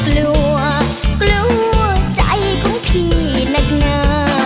กลัวกลัวใจของพี่นักงา